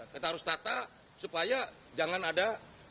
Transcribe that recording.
kita harus tata supaya jangan ada